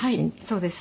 そうです。